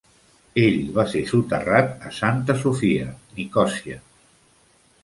Ell va ser soterrat a Santa Sofia, Nicòsia.